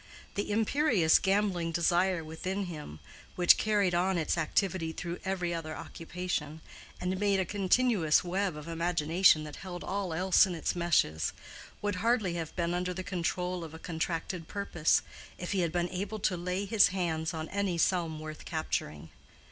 The imperious gambling desire within him, which carried on its activity through every other occupation, and made a continuous web of imagination that held all else in its meshes, would hardly have been under the control of a contracted purpose, if he had been able to lay his hands on any sum worth capturing.